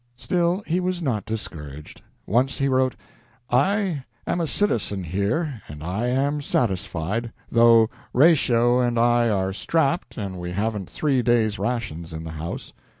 Still, he was not discouraged. Once he wrote: "I am a citizen here and I am satisfied, though 'Ratio and I are 'strapped' and we haven't three days' rations in the house.